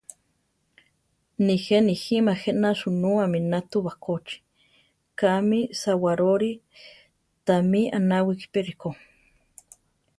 Nijé nijíma jéna sunú aminá tu bakóchi, kami Sawaróri, támi anáwiki pe ríko.